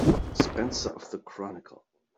Spencer of the Chronicle.